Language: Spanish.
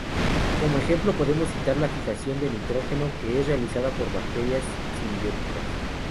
Como ejemplo podemos citar la fijación de nitrógeno, que es realizada por bacterias simbióticas.